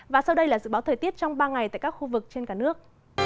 và sau đây là dự báo thời tiết trong ba ngày tại các khu vực trên cả nước